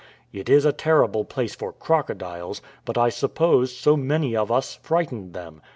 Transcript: It is a terrible place for crocodiles, but I suppose so many of us frightened them.